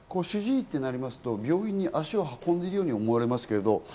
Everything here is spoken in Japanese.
主治医となりますと、病院に足を運ぶように思われますけど。